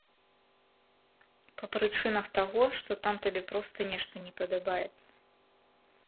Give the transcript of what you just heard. Па прычынах таго, што там табе проста нешта не падабаецца.